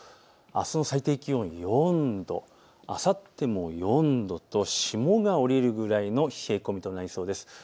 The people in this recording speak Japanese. あすの最低気温は４度、あさっても４度と霜が降りるくらいの冷え込みとなりそうです。